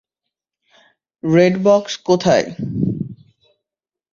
Red box কোথায়?